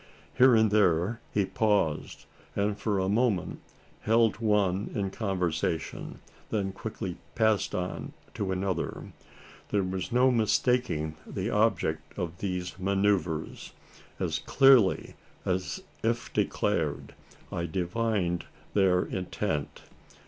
Here and there he paused; and for a moment held one in conversation then quickly passing on to another. There was no mistaking the object of these manoeuvres. As clearly as if declared. I divined their intent.